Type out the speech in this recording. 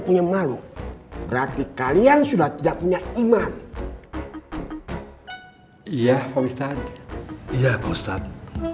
punya malu berarti kalian sudah tidak punya iman iya ustadz iya ustadz